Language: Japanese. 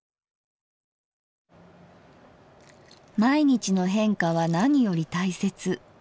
「毎日の変化は何より大切。